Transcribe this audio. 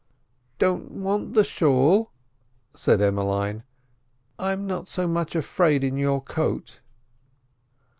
"Don't want the shawl," said Emmeline; "I'm not so much afraid in your coat."